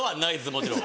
もちろん。